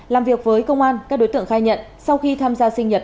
làm việc với công an các đối tượng khai nhận sau khi tham gia sinh nhật